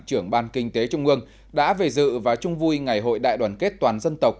trưởng ban kinh tế trung ương đã về dự và chung vui ngày hội đại đoàn kết toàn dân tộc